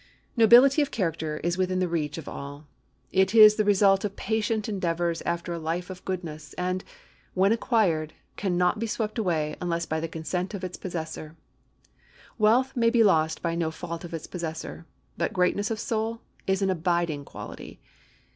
Nobility of character is within the reach of all. It is the result of patient endeavors after a life of goodness, and, when acquired, can not be swept away unless by the consent of its possessor. Wealth may be lost by no fault of its possessor, but greatness of soul is an abiding quality.